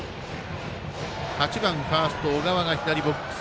８番、ファースト、小川が左ボックス。